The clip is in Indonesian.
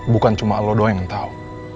bukan cuma lo doang yang tau